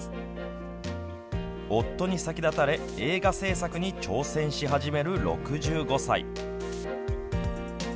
夫に先立たれ映画制作に挑戦し始める６５歳。